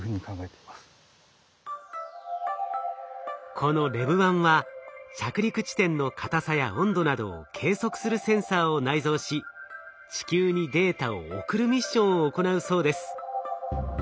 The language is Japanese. このＬＥＶ−１は着陸地点の硬さや温度などを計測するセンサーを内蔵し地球にデータを送るミッションを行うそうです。